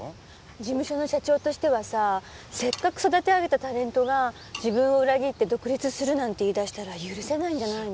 事務所の社長としてはさせっかく育て上げたタレントが自分を裏切って独立するなんて言い出したら許せないんじゃないの？